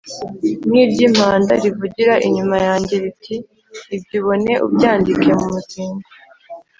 nkiryimpanda rivugira inyuma yanjye riti ibyo ubona ubyandike mu muzingo